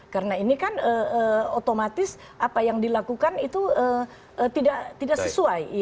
karena ini kan otomatis apa yang dilakukan itu tidak sesuai